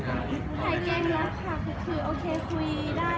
ถ่ายเกงนะคะคือโอเคคุยได้